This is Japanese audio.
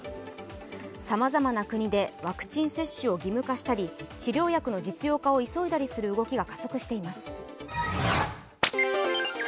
さまざまな国でワクチン接種を義務化したり、治療薬の実用化を急いだりする動きが加速しています。